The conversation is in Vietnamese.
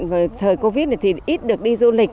và thời covid này thì ít được đi du lịch